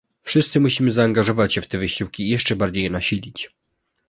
Wszyscy musimy zaangażować się w te wysiłki i jeszcze bardziej je nasilić